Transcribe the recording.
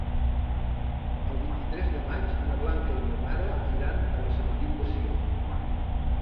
El vint-i-tres de maig na Blanca i na Nara iran a la Sentiu de Sió.